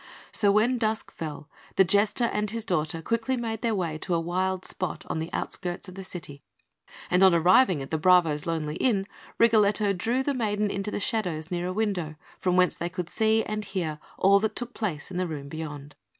So when dusk fell, the Jester and his daughter quickly made their way to a wild spot on the outskirts of the city; and on arriving at the bravo's lonely inn, Rigoletto drew the maiden into the shadows near a window, from whence they could see and hear all that took place in the room beyond.